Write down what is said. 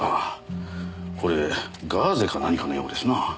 これガーゼか何かのようですな。